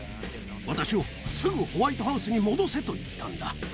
私をすぐホワイトハウスに戻せと言ったんだ。